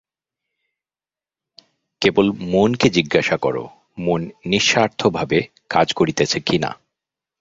কেবল মনকে জিজ্ঞাসা কর, মন নিঃস্বার্থভাবে কাজ করিতেছে কিনা।